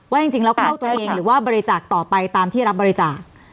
จริงแล้วเข้าตัวเองหรือว่าบริจาคต่อไปตามที่รับบริจาค